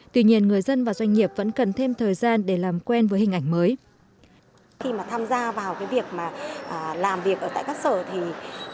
tuy nhiên người dân và doanh nghiệp vẫn cần thêm thời gian để làm quen với hình ảnh mới